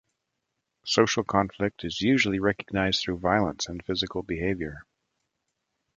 Social conflict is usually recognized through violence and physical behaviour.